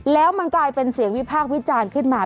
แล้วมันกลายเป็นเสียงวิพากษ์วิจารณ์ขึ้นมา